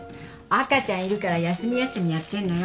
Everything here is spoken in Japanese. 赤ちゃんいるから休み休みやってんのよ。